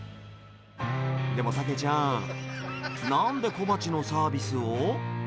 でも、たけちゃん、なんで小鉢のサービスを？